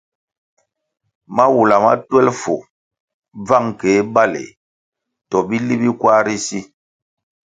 Mawula ma twelfu, bvang keh baleh to bili bi kwar ri si.